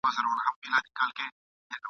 باریکي لري تمام دېوان زما !.